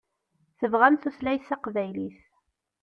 Tebɣam tutlayt taqbaylit.